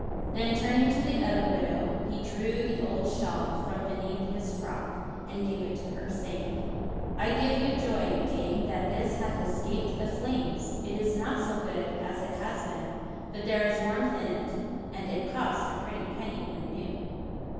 Then turning to the other widow, he drew the old shawl from beneath his frock, and gave it to her, saying, "I give you joy, dame, that this hath escaped the flames. It is not so good as it has been; but there is warmth in it yet, and it cost a pretty penny when new."